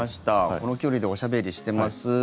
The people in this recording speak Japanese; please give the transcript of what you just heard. この距離でおしゃべりしてます